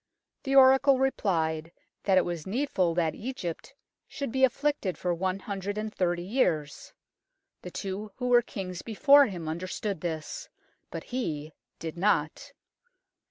The oracle replied that it was needful that Egypt should be afflicted for one hundred and thirty years. The two who were kings before him understood this, but he did not.